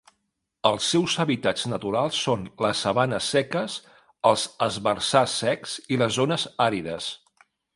Els seus hàbitats naturals són les sabanes seques, els herbassars secs i les zones àrides.